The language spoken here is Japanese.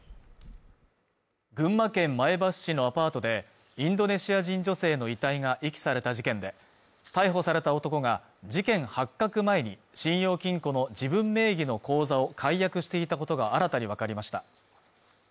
群馬県前橋市のアパートでインドネシア人女性の遺体が遺棄された事件で逮捕された男が事件発覚前に信用金庫の自分名義の口座を解約していたことが新たに分かりました